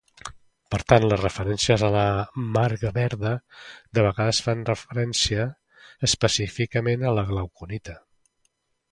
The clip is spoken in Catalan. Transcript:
Per tant, les referències a la "marga verda" de vegades fan referència específicament a la glauconita.